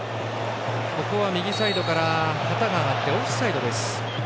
右サイドから旗が上がってオフサイドです。